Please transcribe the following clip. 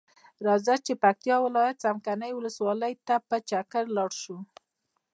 راځۀ چې پکتیا ولایت څمکنیو ولسوالۍ ته په چکر لاړشو.